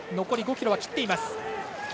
残り５ｋｍを切っています。